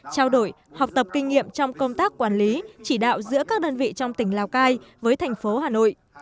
trao đổi học tập kinh nghiệm trong công tác quản lý chỉ đạo giữa các đơn vị trong tỉnh lào cai với thành phố hà nội